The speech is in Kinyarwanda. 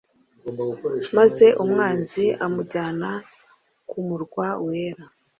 Maze umwanzi amujyana ku murwa wera